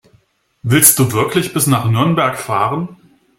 Willst du wirklich bis nach Nürnberg fahren?